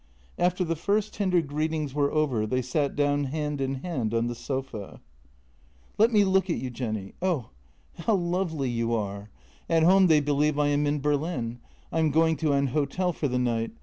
After the first tender greetings were over they sat down hand in hand on the sofa. JENNY 138 "Let me look at you, Jenny — oh, how lovely you are! At home they believe I am in Berlin. I am going to an hotel for the night.